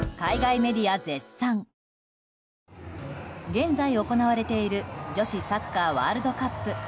現在行われている女子サッカーワールドカップ。